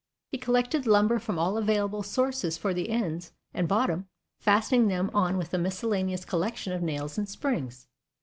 He collected lumber from all available sources for the ends and bottom, fastening them on with a miscellaneous collection of nails and springs.